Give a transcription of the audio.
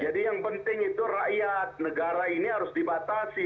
jadi yang penting itu rakyat negara ini harus dibatasi